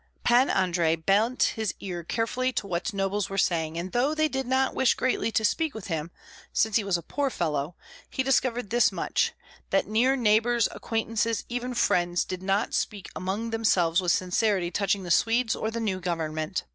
Pan Andrei bent his ear carefully to what nobles were saying, and though they did not wish greatly to speak with him, since he was a poor fellow, he discovered this much, that near neighbors, acquaintances, even friends, did not speak among themselves with sincerity touching the Swedes or the new government.